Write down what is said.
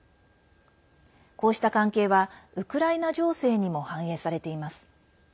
こうした関係はウクライナ情勢にも反映されています。